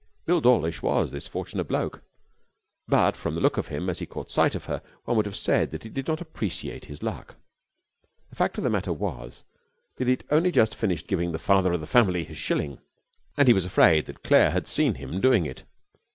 Bill Dawlish was this fortunate bloke, but, from the look of him as he caught sight of her, one would have said that he did not appreciate his luck. The fact of the matter was that he had only just finished giving the father of the family his shilling, and he was afraid that Claire had seen him doing it.